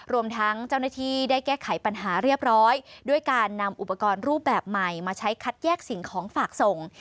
รวมทั้งเจ้าหน้าที่ได้แก้ไขปัญหาเรียบร้อยด้วยการนำอุปกรณ์รูปแบบใหม่มาใช้คัดแยกสิ่งของฝากส่ง